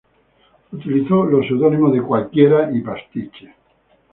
Utilizó los seudónimos de "Cualquiera" y "Pastiche".